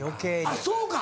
あっそうか。